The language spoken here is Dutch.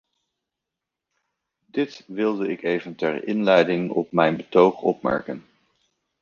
Dit wilde ik even ter inleiding op mijn betoog opmerken.